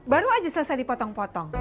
baru aja selesai dipotong potong